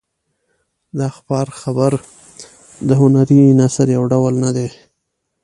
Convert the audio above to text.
د اخبار خبر د هنري نثر یو ډول نه دی.